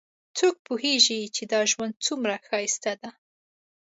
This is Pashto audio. څوک پوهیږي چې دا ژوند څومره ښایسته ده